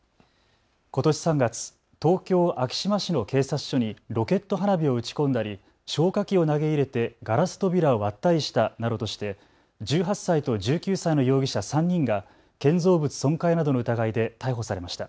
ことし３月、東京昭島市の警察署にロケット花火を打ち込んだり消火器を投げ入れてガラス扉を割ったりしたなどとして１８歳と１９歳の容疑者３人が建造物損壊などの疑いで逮捕されました。